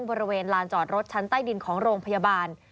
บริเวณลานจอดรถชั้นใต้ดินของโรงพยาบาล